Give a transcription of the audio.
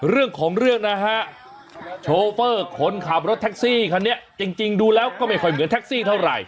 เรื่องของเรื่องนะฮะโชเฟอร์คนขับรถแท็กซี่คันนี้จริงดูแล้วก็ไม่ค่อยเหมือนแท็กซี่เท่าไหร่